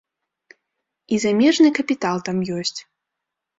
І замежны капітал там ёсць.